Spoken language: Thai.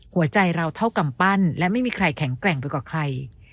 หัวใจเราเท่ากำปั้นและไม่มีใครแข็งแกร่งไปกว่าใคร